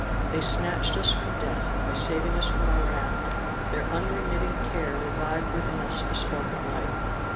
They snatched us from death, by saving us from our raft; their unremitting care revived within us the spark of life.